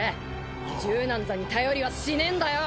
銃なんざに頼りはしねえんだよ。